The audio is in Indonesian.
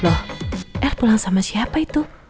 loh air pulang sama siapa itu